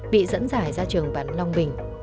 bị dẫn giải ra trường bắn long bình